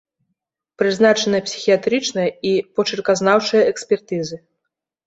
Прызначаныя псіхіятрычная і почырказнаўчая экспертызы.